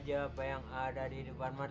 kaka akan buktikan semuanya li